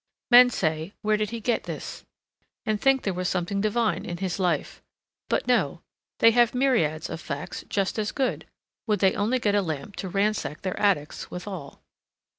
Men say, Where did he get this? and think there was something divine in his life. But no; they have myriads of facts just as good, would they only get a lamp to ransack their attics withal.